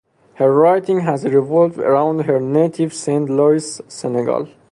Her writing has revolved around her native Saint-Louis, Senegal.